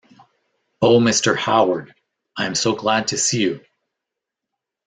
O Mr. Howard, I am so glad to see you!